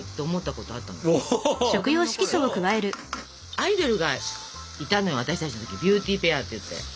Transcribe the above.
アイドルがいたのよ私たちの時ビューティ・ペアっていって。